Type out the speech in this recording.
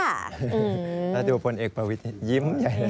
แล้วดูพลเอกประวิทย์ยิ้ม